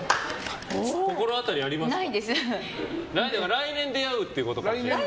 来年出会うってことかな。